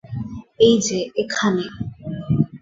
এইযে, এখানে।